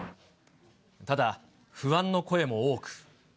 ただ、不安の声も多く。